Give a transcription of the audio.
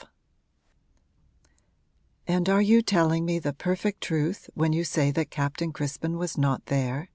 V 'And are you telling me the perfect truth when you say that Captain Crispin was not there?'